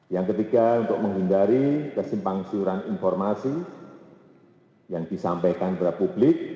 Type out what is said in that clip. yang ketiga untuk menghindari kesimpang siuran informasi yang disampaikan kepada publik